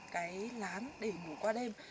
cái lán để ngủ qua đêm